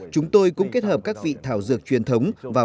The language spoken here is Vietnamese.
chúng tôi cũng kết hợp các vị thảo dược truyền thống vào trong món ăn